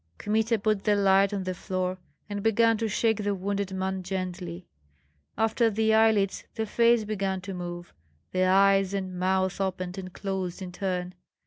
Kmita put the light on the floor and began to shake the wounded man gently. After the eyelids the face began to move, the eyes and mouth opened and closed in turn.